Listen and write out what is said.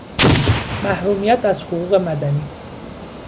محرومیت از حقوق مدنی